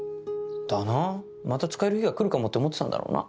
だなまた使える日が来るかもって思ってたんだろうな。